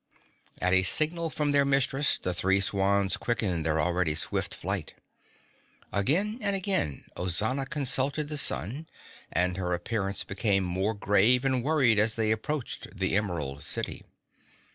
At a signal from their mistress the three swans quickened their already swift flight. Again and again Ozana consulted the sun, and her appearance became more grave and worried as they approached the Emerald City.